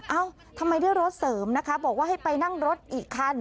เอ้าทำไมได้รถเสริมนะคะบอกว่าให้ไปนั่งรถอีกคัน